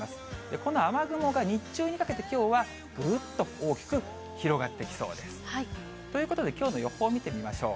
この雨雲が日中にかけて、きょうはぐるっと大きく広がっていきそうです。ということで、きょうの予報を見てみましょう。